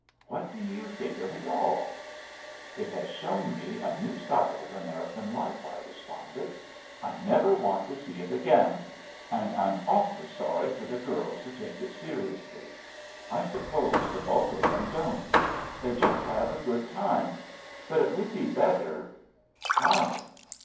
What do you think of it all ?''It has shown me a new side of American life/' I responded, I never want to see it again — ^and I'm awfully sorry for the girls who take it seriously. I suppose the bulk of them don't. They just have a good time. But it would be better "'' How?